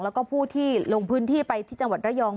แล้วก็ผู้ที่ลงพื้นที่ไปที่จังหวัดระยอง